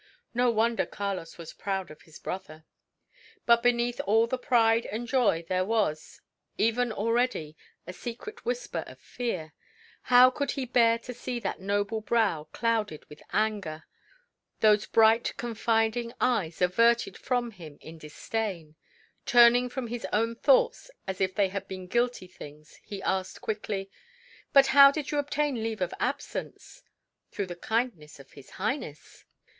No wonder Carlos was proud of his brother! But beneath all the pride and joy there was, even already, a secret whisper of fear. How could he bear to see that noble brow clouded with anger those bright confiding eyes averted from him in disdain? Turning from his own thoughts as if they had been guilty things, he asked quickly, "But how did you obtain leave of absence?" "Through the kindness of his Highness."